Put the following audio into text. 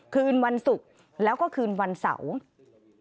คืนวันศุกร์แล้วก็คืนวันเสาร์